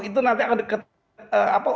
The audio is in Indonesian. itu nanti akan